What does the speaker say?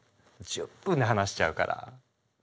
１０分で話しちゃうから。